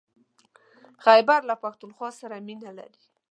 خيبر له پښتونخوا سره مينه لري.